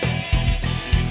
saya yang menang